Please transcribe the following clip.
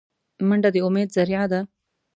منډه د امید ذریعه ده